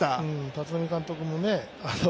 立浪監督もね